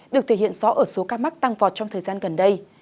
được thể hiện rõ ở số ca mắc tăng vọt trong thời gian gần đây